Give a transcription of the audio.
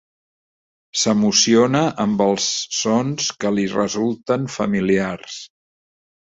S'emociona amb els sons que li resulten familiars.